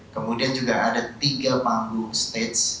kemudian juga ada tiga panggung stage